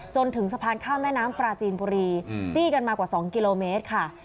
จนถึงสะพานข้ามแม่น้ำปลาจีนบุรีจี้กันมากว่า๒กิโลเมตรค่ะ